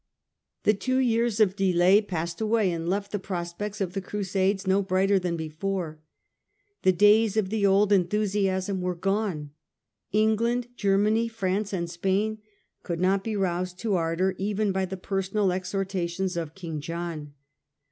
The two years of delay passed away and left the pros pects of the Crusade no brighter than before. The days of the old enthusiasm were gone. England, Germany, France and Spain could not be roused to ardour even by the personal exhortations of King John.